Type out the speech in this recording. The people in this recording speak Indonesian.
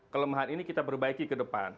kelemahan ini kita perbaiki ke depan